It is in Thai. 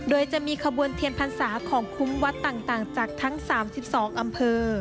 โดยจะมีขบวนเทียนพรรษาของคุ้มวัดต่างจากทั้ง๓๒อำเภอ